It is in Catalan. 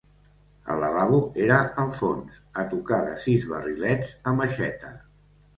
El lavabo era al fons, a tocar de sis barrilets amb aixeta.